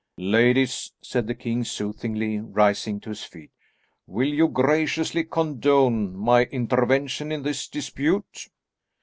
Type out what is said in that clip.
"Ladies," said the king soothingly, rising to his feet, "will you graciously condone my intervention in this dispute?